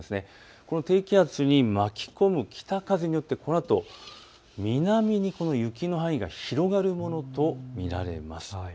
この低気圧に巻き込む北風によってこのあと南に雪の範囲が広がるものと見られます。